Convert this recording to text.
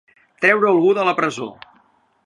Treure algú de la presó.